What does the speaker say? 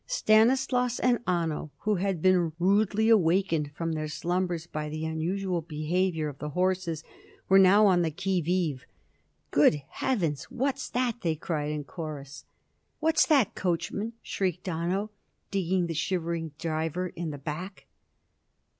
Stanislaus and Anno, who had been rudely awakened from their slumbers by the unusual behaviour of the horses, were now on the qui vive. "Good heavens! What's that?" they cried in chorus. "What's that, coachman?" shrieked Anno, digging the shivering driver in the back.